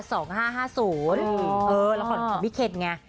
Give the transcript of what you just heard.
เออละครของวิเคชไง